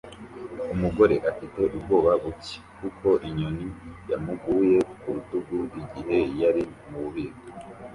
Umugore afite ubwoba buke kuko inyoni yamuguye ku rutugu igihe yari mu bubiko